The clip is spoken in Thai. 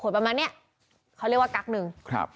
ประมาณเนี้ยเขาเรียกว่ากั๊กหนึ่งครับ